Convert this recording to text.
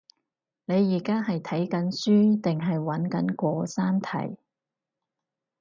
你而家係睇緊書定係揾緊嗰三題？